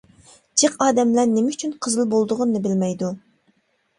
جىق ئادەملەر نېمە ئۈچۈن قىزىل بولىدىغىنىنى بىلمەيدۇ.